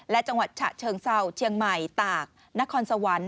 และจังหวัดฉะเชิงเศร้าเชียงใหม่ตากนครสวรรค์